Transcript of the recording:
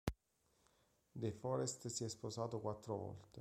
De Forest si è sposato quattro volte.